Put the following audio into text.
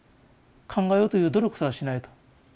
考えようという努力すらしないと。